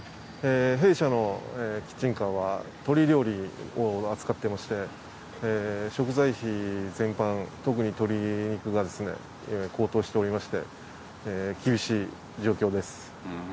弊社のキッチンカーは、鶏料理を扱ってまして、食材費全般、特に鶏肉が高騰しておりまして、厳しい状況です。